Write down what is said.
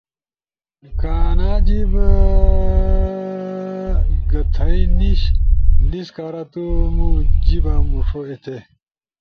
کہ آنا جیِب گتھئی نیِش لیس کارا تم جیِبا مُوݜو ایتھے۔